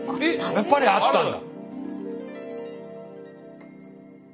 やっぱりあったんだ！